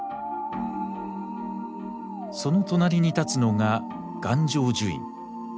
その隣に立つのが願成就院。